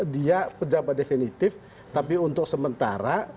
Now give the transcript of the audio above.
dia pejabat definitif tapi untuk sementara